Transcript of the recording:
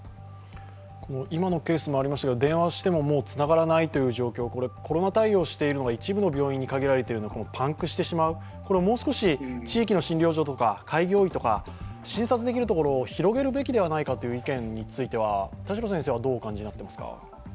今のケースにもありましたが電話をしてももうつながらないと、コロナ対応しているのが一部の病院に限られているのでパンクしてしまう、これをもう少し、地域の診療所とか開業医とか診察できるところを広げるべきではないかという意見については田代先生はどうお感じになっていますか？